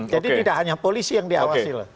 jadi tidak hanya polisi yang diawasi lah